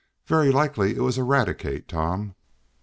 "Very likely it was Eradicate, Tom."